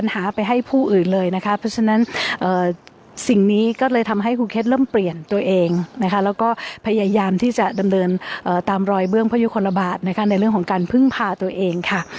ตามรอยเบื้องพระยุคนละบาทในเรื่องของการพึ่งพาตัวเองค่ะ